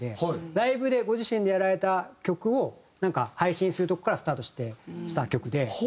ライブでご自身でやられた曲を配信するとこからスタートした曲で。